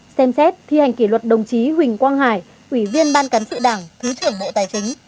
ba xem xét thi hành kỷ luật đồng chí huỳnh quang hải ủy viên ban cán sự đảng thứ trưởng bộ tài chính